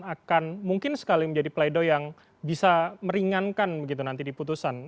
akan mungkin sekali menjadi pleido yang bisa meringankan begitu nanti di putusan